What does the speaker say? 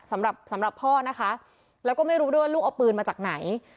สำหรับสำหรับพ่อนะคะแล้วก็ไม่รู้ด้วยว่าลูกเอาปืนมาจากไหน